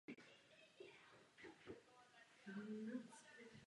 Při přípravě na tuto misi při havárii letadla zemřel Jurij Gagarin.